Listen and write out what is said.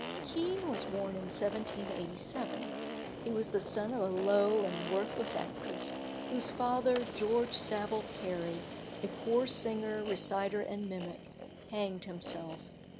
Kean was born in 1787. He was the son of a low and worthless actress, whose father, George Saville Carey, a poor singer, reciter, and mimic, hanged himself.